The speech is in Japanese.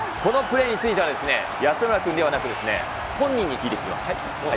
このプレーについては安村君ではなく、本人に聞いてきました。